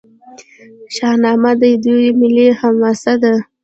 شاهنامه د دوی ملي حماسه ده.